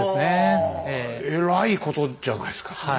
えらいことじゃないですかそれ。